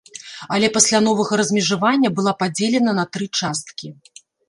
Але пасля новага размежавання была падзелена на тры часткі.